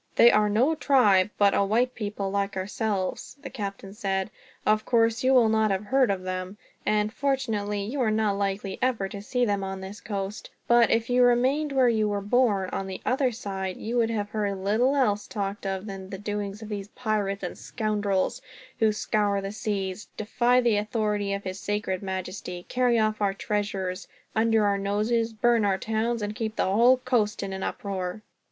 "They are no tribe, but a white people, like ourselves," the captain said. "Of course, you will not have heard of them. And, fortunately, you are not likely ever to see them on this coast; but if you had remained where you were born, on the other side, you would have heard little else talked of than the doings of these pirates and scoundrels; who scour the seas, defy the authority of his sacred majesty, carry off our treasures under our noses, burn our towns, and keep the whole coast in an uproar."